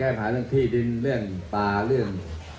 จะแก้มหาเรื่องพืชที่ดินเรื่องป่าเรื่อง